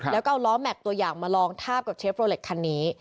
แล้วก็เอาล้อแม็กซ์ตัวอย่างมาลองทาบกับเชฟโรเล็ตคันนี้